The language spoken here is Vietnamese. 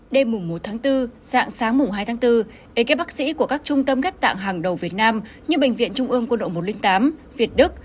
đêm một bốn sáng hai bốn ek bác sĩ của các trung tâm ghép tạng hàng đầu việt nam như bệnh viện trung ương quân đội một trăm linh tám việt đức